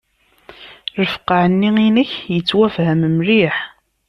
Lefqeε-nni-inek yettwfham mliḥ...